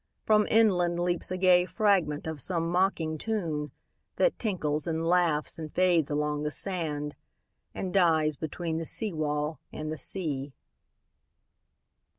From inland Leaps a gay fragment of some mocking tune, That tinkles and laughs and fades along the sand, And dies between the seawall and the sea.